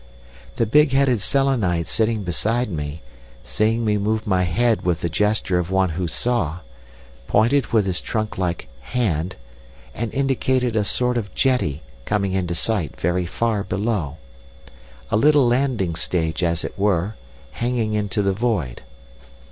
"The big headed Selenite sitting beside me, seeing me move my head with the gesture of one who saw, pointed with his trunk like 'hand' and indicated a sort of jetty coming into sight very far below: a little landing stage, as it were, hanging into the void.